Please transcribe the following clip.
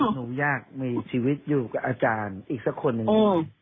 หนูอยากมีชีวิตอยู่กับอาจารย์อีกสักคนหนึ่ง